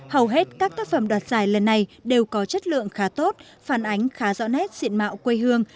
hầu hết các tác phẩm đoạt giải lần này đều có chất lượng khá tốt phản ánh khá rõ nét diện mạo quê hương